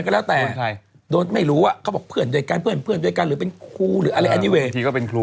สามก็คือโดนบังคับ